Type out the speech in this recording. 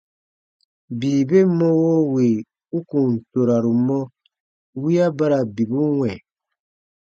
Bii ben mɔwo wì u kùn toraru mɔ, wiya ba ra bibu wɛ̃.